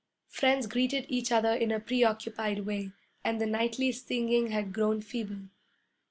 Friends greeted each other in a preoccupied way, and the nightly singing had grown feeble.